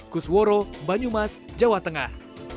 kusworo banyumas jawa tengah